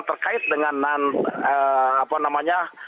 terkait dengan apa namanya